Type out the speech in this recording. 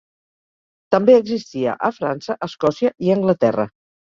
També existia a França, Escòcia i Anglaterra.